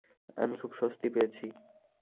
আমি খুব স্বস্তি পেয়েছি।